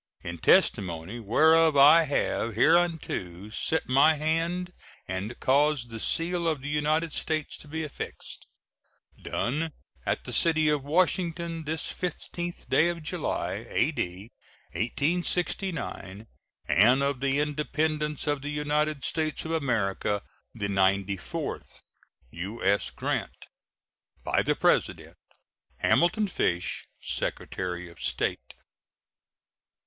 In testimony whereof I have hereunto set my hand and caused the seal of the United States to be affixed. [SEAL.] Done at the city of Washington, this 15th day of July, A.D. 1869, and of the Independence of the United States of America the ninety fourth. U.S. GRANT. By the President: HAMILTON FISH, Secretary of State.